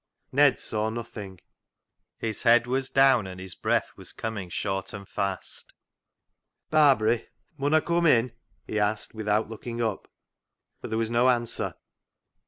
Ned saw nothing. His head was down and his breath was coming short and fast. " Barbary, mun I cum in ?" he asked, with out looking up, but there was no answer.